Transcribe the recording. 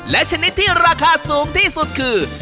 และชนิดที่ราคาสูงที่สุดคือ